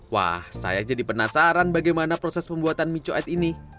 wah saya jadi penasaran bagaimana proses pembuatan mie coet ini